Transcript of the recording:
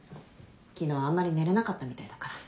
昨日あんまり寝れなかったみたいだから。